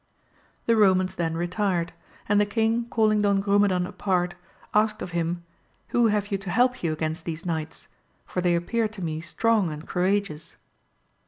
The Eomans then retired, and the king call ing Don Grumedan apart, asked of him, who have you to help you against these knights 1 for they appear to me strong and courageous.